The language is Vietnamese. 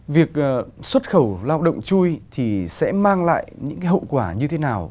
việc xuất khẩu lao động chui thì sẽ mang lại những hậu quả như thế nào